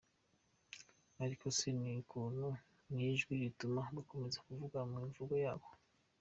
Ariko se ni muntu ki? Ni ijwi rituma bakomeza kuvuga mu imvugo yabo.